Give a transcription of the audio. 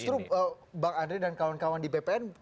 justru bang andre dan kawan kawan di bpn